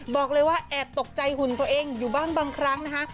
บอกเลยว่าแอบตกใจหุ่นตัวเองอยู่บ้างบางครั้งนะคะ